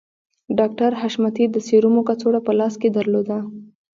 ډاکټر حشمتي د سيرومو کڅوړه په لاس کې درلوده